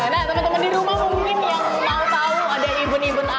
nah temen temen di rumah mungkin yang mau tahu ada ibon ibun apa kan